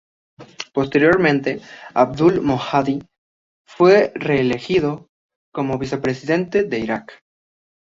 Posteriormente, Abdul-Mahdi fue reelegido como Vicepresidente de Iraq.